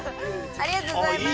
ありがとうございます！